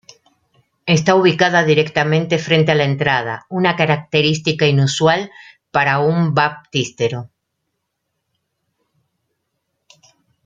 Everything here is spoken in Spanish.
Está ubicada directamente frente a la entrada, una característica inusual para un baptisterio.